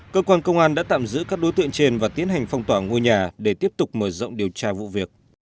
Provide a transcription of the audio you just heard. cơ quan công an đã tạm giữ các đối tượng trên và tiến hành phong tỏa ngôi nhà để tiếp tục mở rộng điều tra vụ việc